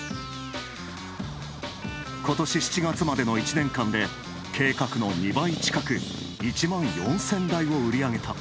ことし７月までの１年間で計画の２倍近く、１万４０００台を売り上げた。